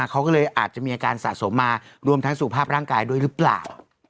เขาก็เลยอาจจะมีอาการสะสมมารวมทั้งสุขภาพร่างกายด้วยหรือเปล่า